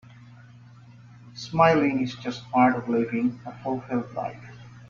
Smiling is just part of living a fulfilled life.